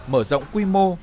mở rộng quy mô